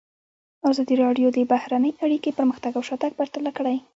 ازادي راډیو د بهرنۍ اړیکې پرمختګ او شاتګ پرتله کړی.